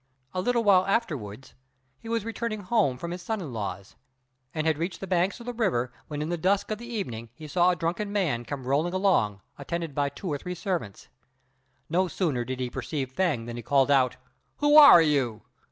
A little while afterwards he was returning home from his son in law's, and had reached the banks of the river, when in the dusk of the evening he saw a drunken man come rolling along, attended by two or three servants. No sooner did he perceive Fêng than he called out, "Who are you?"